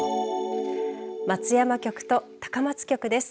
松山局と高松局です。